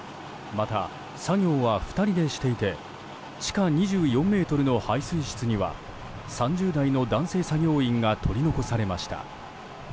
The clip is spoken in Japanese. また、作業は２人でしていて地下２４ｍの排水室には３０代の男性作業員が取り残されました。